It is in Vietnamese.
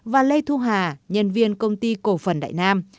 và lê thu hà nhân viên công ty cổ phần đại nam